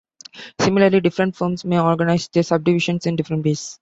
Similarly, different firms may organize their subdivisions in different ways.